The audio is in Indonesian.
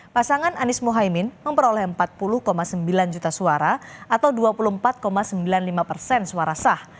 pasangan anies mohaimin memperoleh empat puluh sembilan juta suara atau dua puluh empat sembilan puluh lima persen suara sah